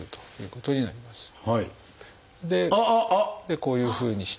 こういうふうにして。